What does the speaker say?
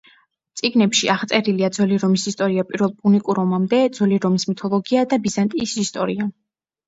წიგნებში აღწერილია ძველი რომის ისტორია პირველ პუნიკურ ომამდე, ძველი რომის მითოლოგია და ბიზანტიის ისტორია.